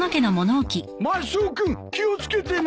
マスオ君気を付けてな。